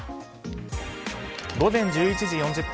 午前１１時４０分。